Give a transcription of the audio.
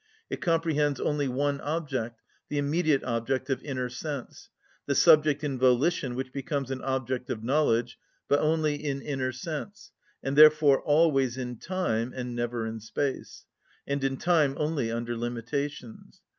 It comprehends only one object, the immediate object of inner sense, the subject in volition which becomes an object of knowledge, but only in inner sense, and therefore always in time and never in space; and in time only under limitations.